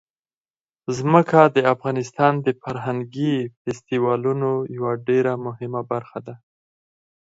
ځمکه د افغانستان د فرهنګي فستیوالونو یوه ډېره مهمه برخه ده.